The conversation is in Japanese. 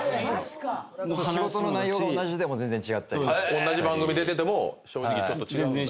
おんなじ番組出てても正直ちょっと違うんだ。